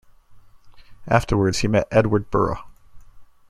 Afterwards he met Edward Burrough.